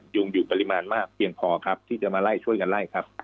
อยู่ปริมาณมากเพียงพอครับที่จะมาไล่ช่วยกันไล่ครับ